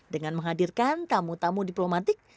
dengan menghadirkan tamu tamu diplomatik